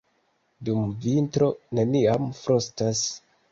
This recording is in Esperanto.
Dum vintro neniam frostas.